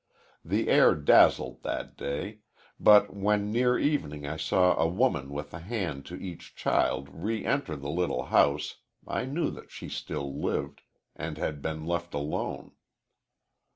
The air dazzled that day, but when near evening I saw a woman with a hand to each child re enter the little house I knew that she still lived and had been left alone.